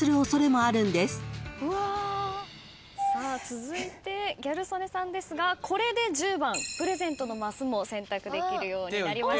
続いてギャル曽根さんですがこれで１０番プレゼントのマスも選択できるようになりました。